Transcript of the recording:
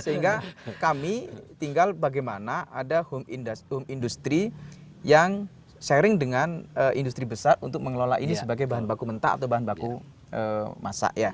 sehingga kami tinggal bagaimana ada home industry yang sharing dengan industri besar untuk mengelola ini sebagai bahan baku mentah atau bahan baku masak ya